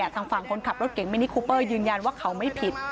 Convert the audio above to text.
ทางฝั่งคนขับรถเก่งมินิคูเปอร์ยืนยันว่าเขาไม่ผิด